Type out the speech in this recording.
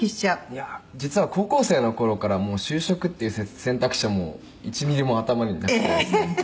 「いや実は高校生の頃から就職っていう選択肢はもう１ミリも頭になくてですね」